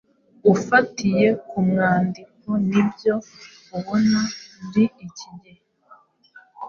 Ufatiye ku mwandiko n’ibyo ubona muri iki gihe,